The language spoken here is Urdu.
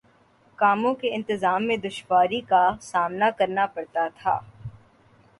کاموں کے انتظام میں دشواری کا سامنا کرنا پڑتا تھا